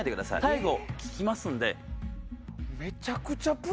最後聞きますんで。